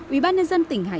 ủy ban nhân dân tỉnh hà nội